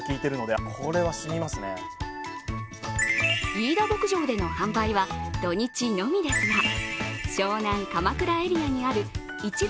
飯田牧場での販売は土日のみですが、湘南、鎌倉エリアにある一部